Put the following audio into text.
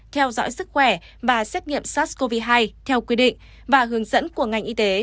theo dõi sức khỏe và xét nghiệm sars cov hai theo quy định và hướng dẫn của ngành y tế